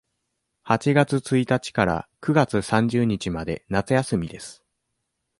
八月一日から九月三十日まで夏休みです。